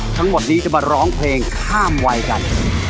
ทั้งหมดนี้จะมาร้องเพลงข้ามวัยกัน